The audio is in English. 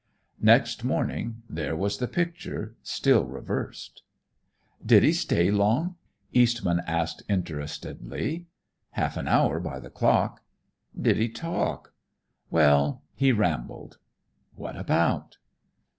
"Next morning, there was the picture, still reversed." "Did he stay long?" Eastman asked interestedly. "Half an hour, by the clock." "Did he talk?" "Well, he rambled." "What about?"